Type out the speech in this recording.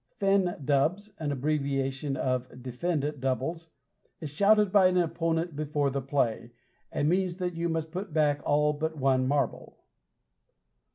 Fen Dubs, an abbreviation of "defend doubles," is shouted by an opponent before the play, and means that you must put back all but one marble.